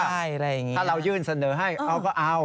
ถ้าเรายื่นเสนอให้เอาก็เอา